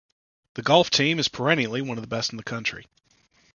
The golf team is perennially one of the best in the county.